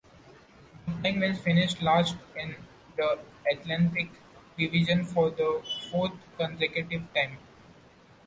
The Penguins finished last in the Atlantic Division for the fourth consecutive time.